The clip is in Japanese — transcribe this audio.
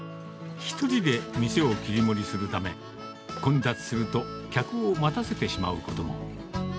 １人で店を切り盛りするため、混雑すると客を待たせてしまうことも。